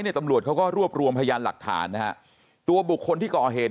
ตำรวจเขาก็รวบรวมพยานหลักฐานนะฮะตัวบุคคลที่ก่อเหตุ